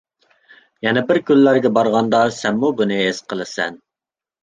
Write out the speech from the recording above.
يەنە بىر كۈنلەرگە بارغاندا سەنمۇ بۇنى ھېس قىلىسەن.